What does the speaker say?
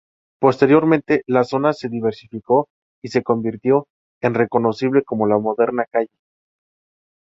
Posteriormente la zona se diversificó y se convirtió en reconocible como la moderna calle.